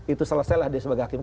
itu selesailah dia sebagai hakim